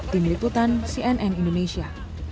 tim liputan cnn indonesia